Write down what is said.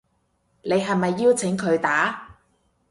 你係咪邀請佢打